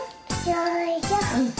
よいしょ。